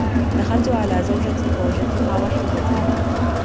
دخلت على زوجتي فوجدتها وحيدة.